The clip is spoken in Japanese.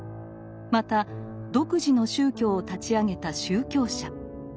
また独自の宗教を立ち上げた宗教者。